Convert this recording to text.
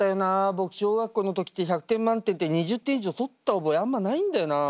僕小学校の時って１００点満点で２０点以上取った覚えあんまないんだよな。